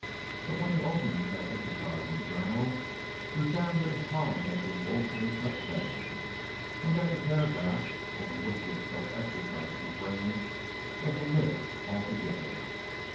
But when he opened that enterprising journal he found that his column had been woefully cut down, and that the paragraph over which he had so exercised his brains was omitted altogether.